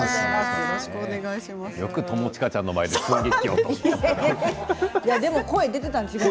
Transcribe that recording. よく友近ちゃんの前で寸劇をね。